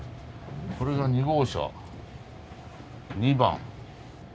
これが２号車２番。